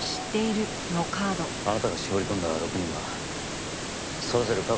あなたが絞り込んだ６人はそれぞれ過去に罪を犯していた。